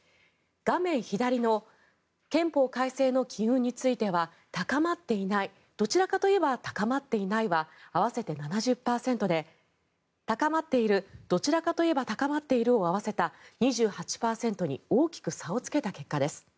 画面左の憲法改正の機運については高まっていないどちらかといえば高まっていないは合わせて７０％で高まっているどちらかといえば高まっているを合わせた２８％に大きく差をつけた結果です。